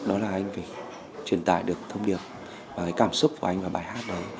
đó là anh phải truyền tải được thông điệp cái cảm xúc của anh vào bài hát đó